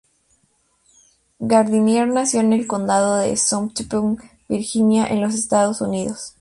Gardiner nació en el Condado de Southampton, Virginia, en los Estados Unidos.